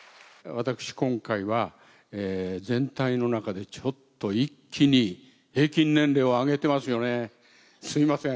私、今回は、全体の中でちょっと一気に平均年齢を上げてますよね。